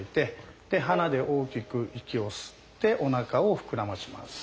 鼻で大きく息を吸っておなかを膨らまします。